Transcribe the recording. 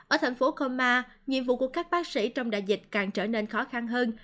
ở thành phố kunma nhiệm vụ của các bác sĩ trong đại dịch càng trở nên khó khăn hơn